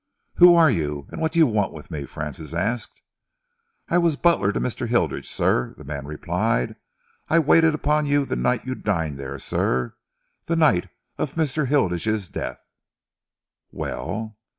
"Who are you, and what do you want with me?" Francis asked. "I was butler to Mr. Hilditch, sir," the man replied. "I waited upon you the night you dined there, sir the night of Mr. Hilditch's death." "Well?"